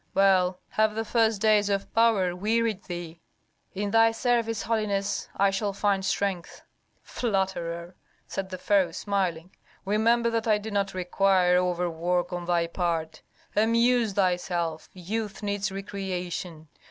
Well, have the first days of power wearied thee?" "In thy service, holiness, I shall find strength." "Flatterer!" said the pharaoh, smiling. "Remember that I do not require overwork on thy part. Amuse thyself; youth needs recreation.